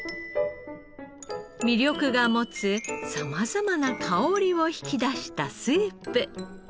味緑が持つ様々な香りを引き出したスープ。